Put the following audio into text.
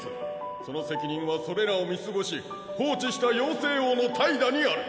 その責任はそれらを見過ごし放置した妖精王の怠惰にある。